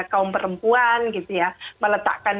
kaum perempuan gitu ya meletakkan